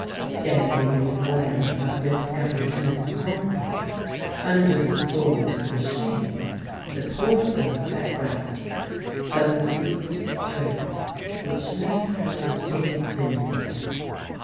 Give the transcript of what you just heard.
Standing in the glare of discovered misconduct, under the scourge of her shame, the poor girl had grasped some secret strength which made her invincible.